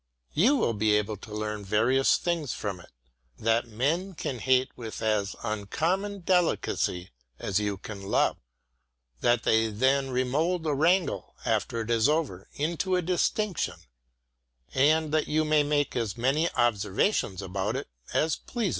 You will be able to learn various things from it; that men can hate with as uncommon delicacy as you can love; that they then remold a wrangle, after it is over, into a distinction; and that you may make as many observations about it as pleases you.